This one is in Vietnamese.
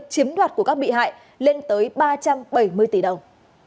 chiếm đoạt của các bị hại lên tới ba trăm bảy mươi tỷ đồng